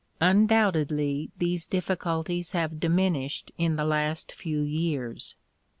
Undoubtedly these difficulties have diminished in the last few years.